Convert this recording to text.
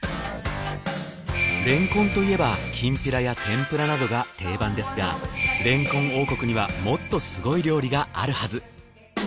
れんこんといえばきんぴらや天ぷらなどが定番ですがれんこん王国にはもっとすごい料理があるはず。